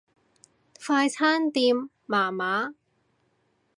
快餐店麻麻